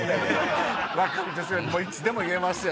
いつでも言えますよ